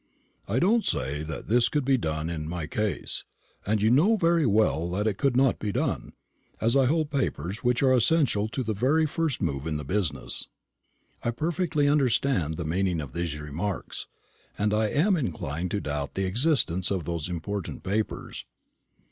I don't say that this could be done in my case; and you know very well that it could not be done, as I hold papers which are essential to the very first move in the business." I perfectly understand the meaning of these remarks, and I am inclined to doubt the existence of those important papers.